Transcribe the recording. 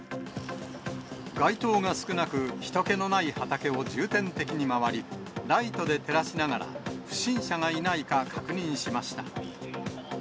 街灯が少なく、ひと気のない畑を重点的に回り、ライトで照らしながら、不審者がいないか確認しました。